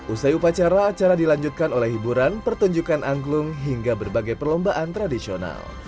usai upacara acara dilanjutkan oleh hiburan pertunjukan angklung hingga berbagai perlombaan tradisional